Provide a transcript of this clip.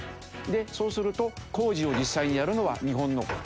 そうすると工事を実際にやるのは日本の会社。